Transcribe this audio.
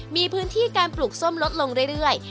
มีพื้นที่การปลูกส้มลดลงเรื่อย